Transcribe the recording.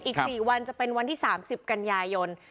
อีก๔วันจะเป็นวันที่๓๐กันยายน